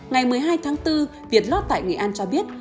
ngày một mươi hai tháng bốn việt lót tại nghệ an cho biết